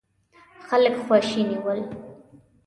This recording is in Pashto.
خلک خواشيني ول.